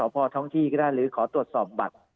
พอท้องที่ก็ได้หรือขอตรวจสอบบัตร